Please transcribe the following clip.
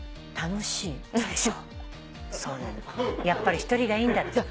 やっぱり一人がいいんだ。